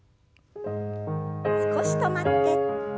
少し止まって。